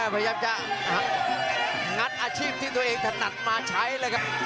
พยายามจะงัดอาชีพที่ตัวเองถนัดมาใช้เลยครับ